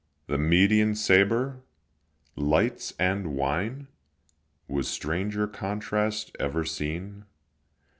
The Median sabre! lights and wine! Was stranger contrast ever seen?